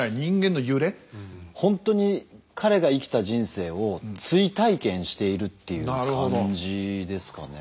本当に彼が生きた人生を追体験しているっていう感じですかね。